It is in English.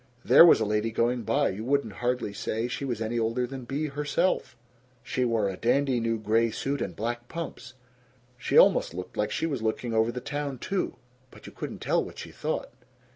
There was a lady going by, you wouldn't hardly say she was any older than Bea herself; she wore a dandy new gray suit and black pumps. She almost looked like she was looking over the town, too. But you couldn't tell what she thought.